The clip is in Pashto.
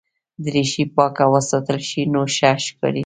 دریشي پاکه وساتل شي نو ښه ښکاري.